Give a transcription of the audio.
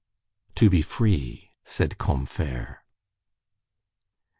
"To be free," said Combeferre.